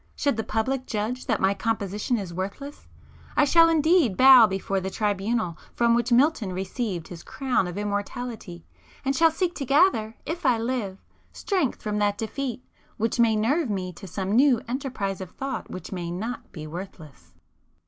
Should the public judge that my composition is worthless, I shall indeed bow before the tribunal from which Milton received his crown of immortality, and shall seek to gather, if I live, strength from that defeat, which may nerve me to some new enterprise of thought which may not be worthless!